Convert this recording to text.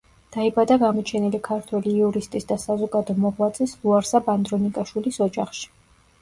დაიბადა გამოჩენილი ქართველი იურისტის და საზოგადო მოღვაწის ლუარსაბ ანდრონიკაშვილის ოჯახში.